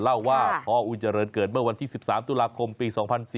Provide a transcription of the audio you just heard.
เล่าว่าพ่ออุยเจริญเกิดเมื่อวันที่๑๓ตุลาคมปี๒๔๙